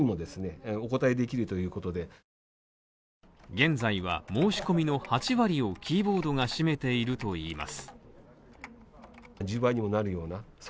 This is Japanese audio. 現在は、申し込みの８割をキーボードが占めているといいます。